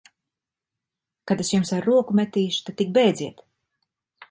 Kad es jums ar roku metīšu, tad tik bēdziet!